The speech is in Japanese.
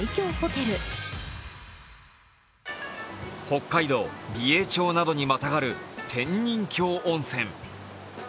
北海道美瑛町などにまたがる天人峡温泉。